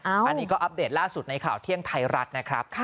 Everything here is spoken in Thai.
อันนี้ก็อัปเดตล่าสุดในข่าวเที่ยงไทยรัฐนะครับ